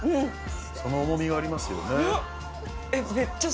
その重みがありますよね。